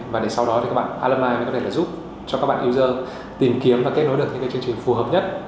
và để sau đó các bạn alumni mới có thể là giúp cho các bạn user tìm kiếm và kết nối được những cái chương trình phù hợp nhất